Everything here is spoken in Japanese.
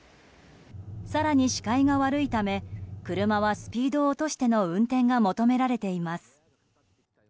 更に視界が悪いため車はスピードを落としての運転が求められています。